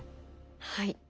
はい。